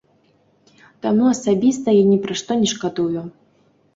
Таму асабіста я ні пра што не шкадую.